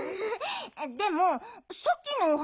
でもさっきのお花